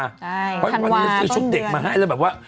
ใช่ธันวาต้นเดือนเพราะวันนี้ซื้อชุดเด็กมาให้แล้วแบบว่า